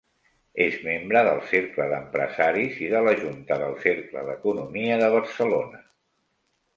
És membre del Cercle d'Empresaris i de la junta del Cercle d'Economia de Barcelona.